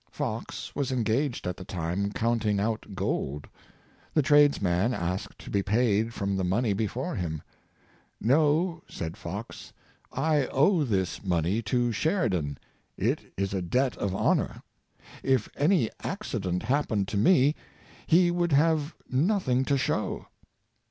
Fox was engaged at the time counting out gold. The tradesman asked to be paid from the money before him. " No," said Fox, ^' I owe this money to Sheridan; it is a debt of honor; if any accident hap hened to me, he would have nothing to show."